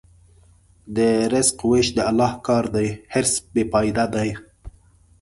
د رزق وېش د الله کار دی، حرص بېفایده دی.